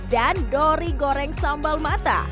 dan dori goreng sambal mata